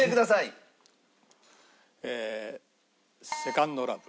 えー『セカンド・ラブ』。